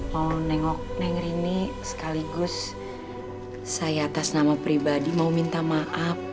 mau nengok nengrini sekaligus saya atas nama pribadi mau minta maaf